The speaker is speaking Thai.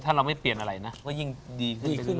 ถ้าเราไม่เปลี่ยนอะไรนะก็ยิ่งดีขึ้นไปขึ้น